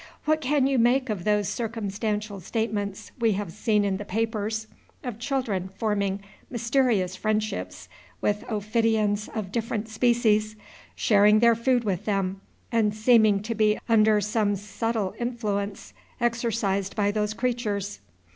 What can you make of those circumstantial statements we have seen in the papers, of children forming mysterious friendships with ophidians of different species, sharing their food with them, and seeming to be under some subtile influence exercised by those creatures?